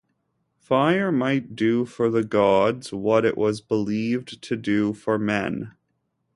Fire might do for the gods what it was believed to do for men.